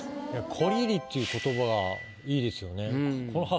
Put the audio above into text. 「こりり」っていう言葉がいいですよね。